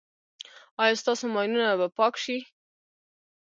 ایا ستاسو ماینونه به پاک شي؟